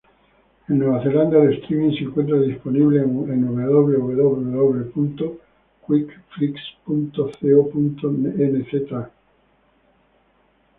En Nueva Zelanda, el streaming se encuentra disponible en www.quickflix.co.nz.